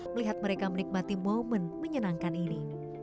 melihat mereka menikmati momen menyenangkan ini